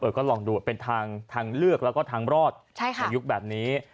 ก็ลองดูเป็นทางเลือกแล้วก็ทางรอดในยุคแบบนี้